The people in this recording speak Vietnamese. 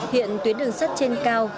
hiện tuyến đường sắt trên cao